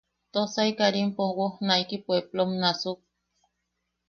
Tosai Karimpo wojnaiki puepplom nasuk.